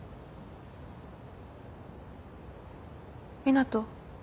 湊斗。